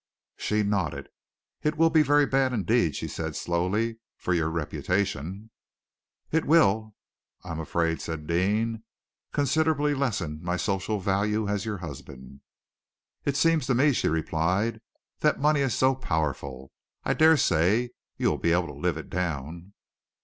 She nodded. "It will be very bad indeed," she said slowly, "for your reputation." "It will, I am afraid," said Deane, "considerably lessen my social value as your husband." "It seems to me," she replied, "that money is so powerful. I daresay you will be able to live it down."